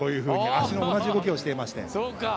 足の同じ動きしてまして。